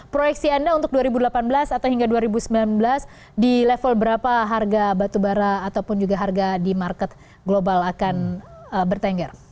proyeksi anda untuk dua ribu delapan belas atau hingga dua ribu sembilan belas di level berapa harga batubara ataupun juga harga di market global akan bertengger